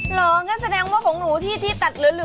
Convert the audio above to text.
เหรองั้นแสดงว่าของหนูที่ตัดเหลือ